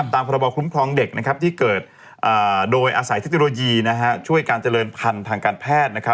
พรบคุ้มครองเด็กที่เกิดโดยอาศัยเทคโนโลยีช่วยการเจริญพันธุ์ทางการแพทย์